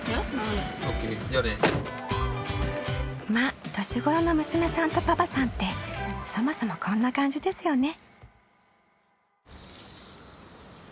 まあ年頃の娘さんとパパさんってそもそもこんな感じですよね。